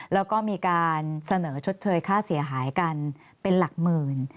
แล้วก็มีการเสนอชดเชยค่าเสียหายกันเป็นหลักหมื่น